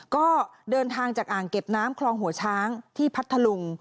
ก็เดินทางจากอ่างเก็บน้ำคลองหัวช้างที่พัทธลุง